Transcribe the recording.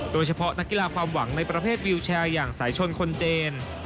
โดยเฉพาะนักกีฬาความหวังในประเภทวิวแชร์อย่างสายชนคนจีน